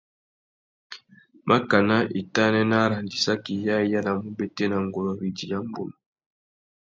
Makana itānê nà arandissaki yâā i yānamú ubétēna nguru râ idiya mbunu.